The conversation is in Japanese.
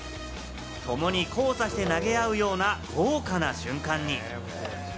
共に交差して投げ合うような豪華な瞬間に。